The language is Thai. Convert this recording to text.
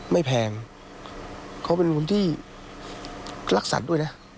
แพงเขาเป็นคนที่รักสัตว์ด้วยนะ